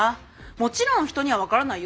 もちろん人には分からないよ